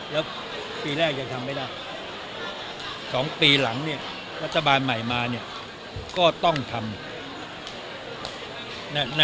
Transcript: แล้วปีแรกยังทำไม่ได้๒ปีหลังเนี่ยรัฐบาลใหม่มาเนี่ยก็ต้องทำ